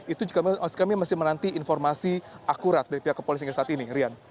itu kami masih menanti informasi akurat dari pihak kepolisian saat ini rian